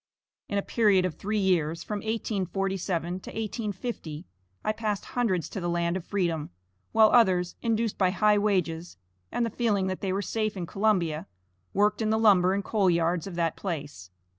In a period of three years from 1847 to 1850, I passed hundreds to the land of freedom, while others, induced by high wages, and the feeling that they were safe in Columbia, worked in the lumber and coal yards of that place.